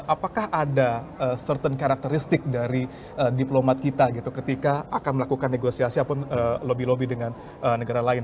apakah ada certain karakteristik dari diplomat kita gitu ketika akan melakukan negosiasi atau lobby lobby dengan negara lain